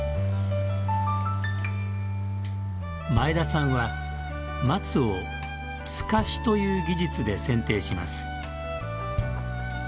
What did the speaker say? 前田さんは松を「すかし」という技術で剪定します。